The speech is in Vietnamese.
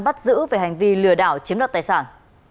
bắt giữ về hành vi lừa đảo chiếm đoạt tài sản